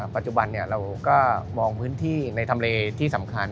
ปัจจุบันเราก็มองพื้นที่ในทำเลที่สำคัญ